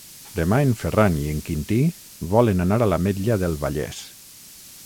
Demà en Ferran i en Quintí volen anar a l'Ametlla del Vallès.